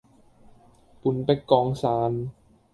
半壁江山